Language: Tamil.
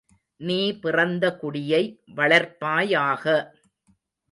நீ பிறந்த குடியை வளர்ப்பாயாக!